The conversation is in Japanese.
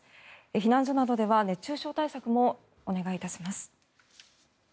避難所などでは熱中症対策もお願いいたします。